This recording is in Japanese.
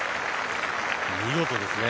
見事ですね。